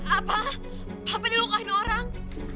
apa papa dilukain orang